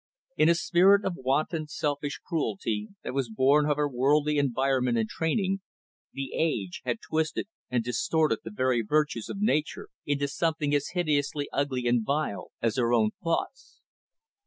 In a spirit of wanton, selfish cruelty, that was born of her worldly environment and training, "The Age" had twisted and distorted the very virtues of "Nature" into something as hideously ugly and vile as her own thoughts.